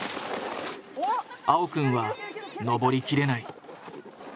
青くんは登りきれない。